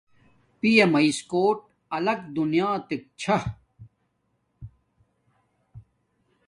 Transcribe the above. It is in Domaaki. پیا میس کوٹ ایک الاک دونیاتک چھا